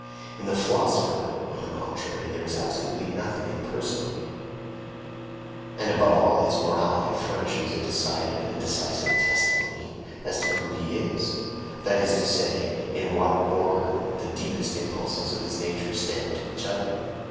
In the philosopher, on the contrary, there is absolutely nothing impersonal; and above all, his morality furnishes a decided and decisive testimony as to WHO HE IS, that is to say, in what order the deepest impulses of his nature stand to each other.